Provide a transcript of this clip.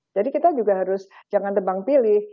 jadi kita juga harus jangan tebang pilih